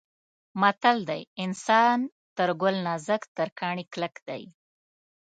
متل دی: انسان تر ګل نازک تر کاڼي کلک دی.